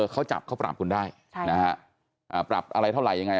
เขาจับเขาปรับคุณได้ปรับอะไรเท่าไหร่ยังไง